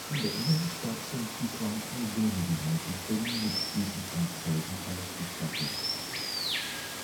In der Innenstadt sind bislang nur wenige Haltestellen mit diesen Anzeigen ausgestattet.